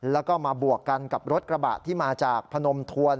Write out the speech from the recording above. แล้วก็มาบวกกันกับรถกระบะที่มาจากพนมทวน